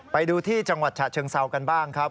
ไปดูที่จังหวัดฉะเชิงเซากันบ้างครับ